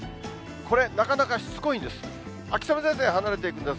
これ、なかなかしつこいんです。